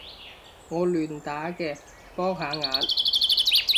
我亂打嘅，幫下眼